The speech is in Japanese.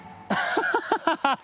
ハハハ